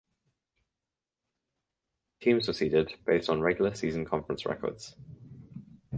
Teams were seeded based on regular season conference records.